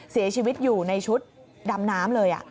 เสียชีวิตอยู่ในชุดดำน้ำเลย